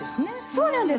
そうなんです。